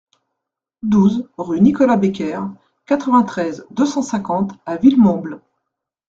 douze rue Nicolas Becker, quatre-vingt-treize, deux cent cinquante à Villemomble